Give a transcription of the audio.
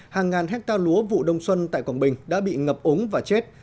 hàng ngàn hectare lúa vụ đông xuân tại quảng bình đã bị ngập ống và chết